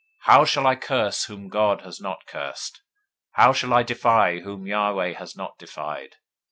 023:008 How shall I curse, whom God has not cursed? How shall I defy, whom Yahweh has not defied?